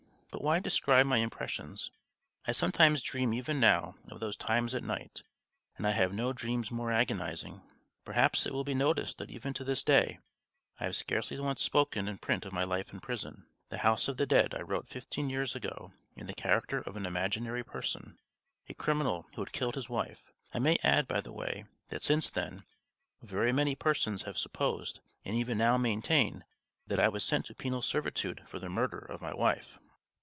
But why describe my impressions; I sometimes dream even now of those times at night, and I have no dreams more agonising. Perhaps it will be noticed that even to this day I have scarcely once spoken in print of my life in prison. The House of the Dead I wrote fifteen years ago in the character of an imaginary person, a criminal who had killed his wife. I may add by the way that since then, very many persons have supposed, and even now maintain, that I was sent to penal servitude for the murder of my wife.